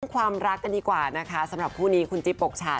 ความรักกันดีกว่านะคะสำหรับคู่นี้คุณจิ๊บปกฉา